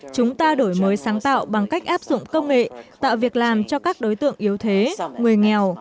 chúng ta đổi mới sáng tạo bằng cách áp dụng công nghệ tạo việc làm cho các đối tượng yếu thế người nghèo